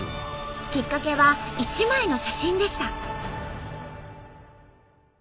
きっかけは１枚の写真でした。